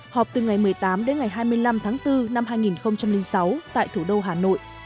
họp từ ngày một mươi tám đến ngày hai mươi năm tháng bốn năm hai nghìn sáu tại thủ đô hà nội